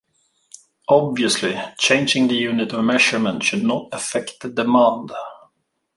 Obviously, changing the unit of measurement should not affect the demand.